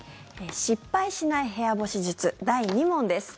失敗しない部屋干し術第２問です。